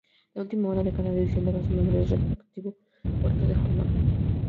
La última hora de cada división daba su nombre al respectivo cuarto de jornada.